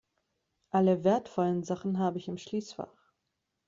Alle wertvollen Sachen habe ich im Schließfach.